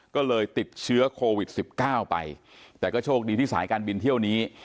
ก็เลยติดเชื้อโควิด๑๙ไปแต่ก็โชคดีที่สายการบินเที่ยวนี้